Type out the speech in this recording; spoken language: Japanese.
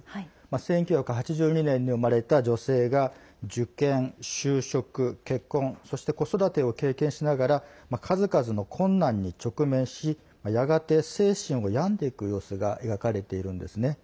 １９８２年に生まれた女性が受験、就職結婚そして、子育てを経験しながら数々の困難に直面しやがて精神を病んでいく様子が描かれているんですね。